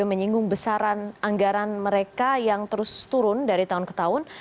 menyinggung besaran anggaran mereka yang terus turun dari tahun ke tahun